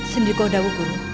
sendirikoh daud guru